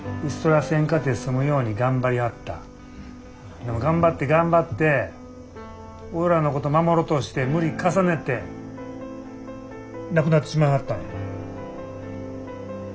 でも頑張って頑張って俺らのこと守ろとして無理重ねて亡くなってしまいはったんや。